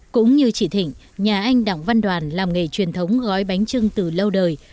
cũng như chị thịnh nhà anh đặng văn đoàn làm nghề truyền thống gói bánh trưng từ lâu đời